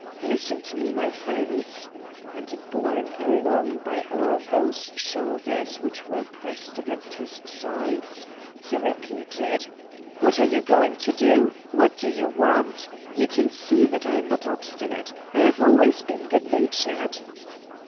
Listen to me, my friends!" and borne along by all those shoulders which were pressed against his sides, he repeated: "What are you going to do? What do you want? You can see that I am not obstanite! I have always been good natured!"